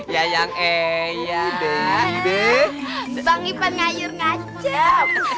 ya yang eh ya deh bang ipan ngajur ngacep